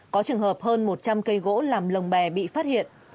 có trường hợp hơn một trăm linh cây gỗ làm lồng bè bị phát hiện